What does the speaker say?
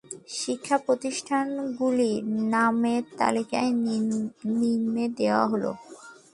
শিক্ষা প্রতিষ্ঠানগুলির নামের তালিকা নিম্নে দেওয়া হলো।